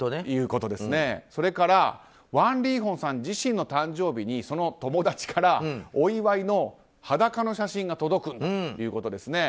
それからワン・リーホンさん自身の誕生日にその友達からお祝いの裸の写真が届くんだということですね。